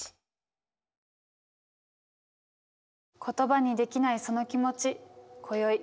言葉にできないその気持ち今宵